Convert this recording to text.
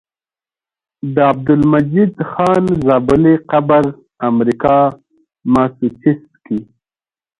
د عبدالمجيد خان زابلي قبر امريکا ماسوچست کي